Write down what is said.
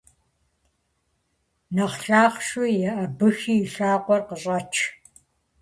Нэхъ лъахъшэу еӀэбыхи и лъакъуэр къыщӀэч!